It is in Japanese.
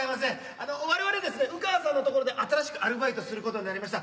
あの我々ですね烏川さんのところで新しくアルバイトすることになりました